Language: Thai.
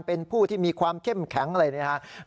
เป็นผู้ที่มีความเข้มแข็งอะไรนะครับ